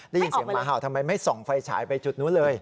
ได้ยินเสียงหมาเห่าทำไมไม่ส่องไฟฉายไปจุดนู้นเลย